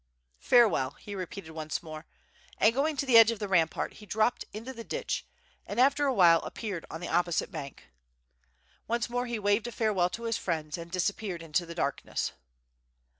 "Farewell," he repeated once more, and going to the edge of the rampart, he dropped into the ditch and after awhile appeared on the opposite bank. Once more he waved a fare well to his friends, and disappeared into the darkness.